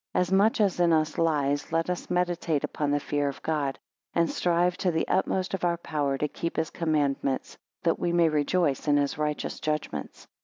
As much as in us lies let us meditate upon the fear of God; and strive to the utmost of our power to keep his commandments; that we may rejoice in his righteous judgments.